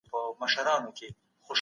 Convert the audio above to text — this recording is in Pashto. ژوند د انسان د لوړتیا